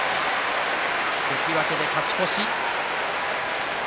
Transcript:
関脇で勝ち越し。